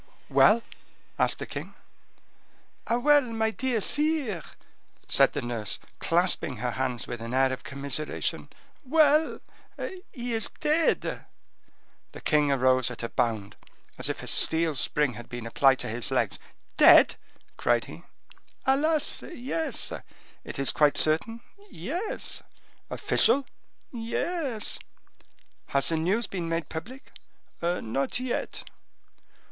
"Well?" asked the king. "Well, my dear sire," said the nurse, clasping her hands with an air of commiseration. "Well; he is dead!" The king arose at a bound, as if a steel spring had been applied to his legs. "Dead!" cried he. "Alas! yes." "Is it quite certain?" "Yes." "Official?" "Yes." "Has the news been made public?" "Not yet."